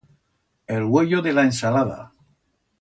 El uello de la ensalada.